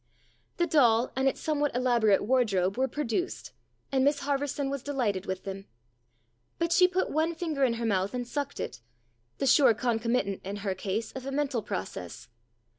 The doll and its somewhat elaborate wardrobe were produced, and Miss Harverson was delighted with them. But she put one finger in her mouth and sucked it the sure concomitant in her case of a mental process.